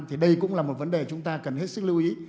thì đây cũng là một vấn đề chúng ta cần hết sức lưu ý